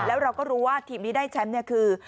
แล้วเราก็รู้ว่าทีมที่ได้แชมป์คือ